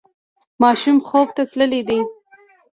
ماشوم خوب ته تللی دی.